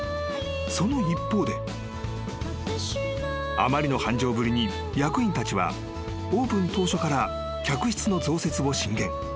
［あまりの繁盛ぶりに役員たちはオープン当初から客室の増設を進言］